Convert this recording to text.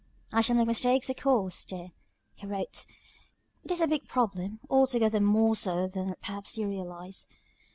"I shall make mistakes, of course, dear," he wrote. "It is a big problem altogether more so than perhaps you realize.